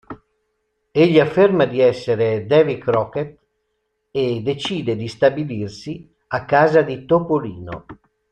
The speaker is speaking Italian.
Egli afferma di essere Davy Crockett e decide di stabilirsi a casa di Topolino.